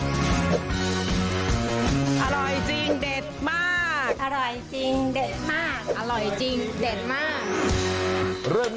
อร่อยจริงเด็ดมาก